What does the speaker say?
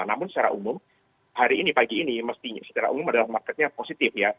namun secara umum hari ini pagi ini mestinya secara umum adalah marketnya positif ya